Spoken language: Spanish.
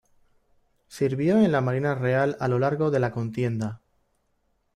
Sirvió en la Marina Real a lo largo de la contienda.